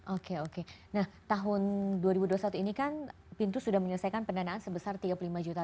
oke oke nah tahun dua ribu dua puluh satu ini kan pintu sudah menyelesaikan pendanaan sebesar tiga puluh lima juta